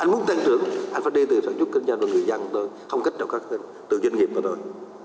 anh muốn tăng trưởng anh phải đi từ phản chức kinh doanh và người dân thôi không kết nối các từ doanh nghiệp mà thôi